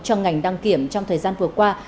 trong ngành đăng kiểm trong thời gian vừa qua